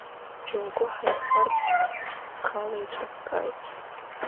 Џьоукы ҳаиқәшәарц схала еиҿыскааит.